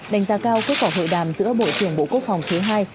đánh giá cao kết quả hội đàm giữa bộ trưởng bộ quốc phòng thứ hai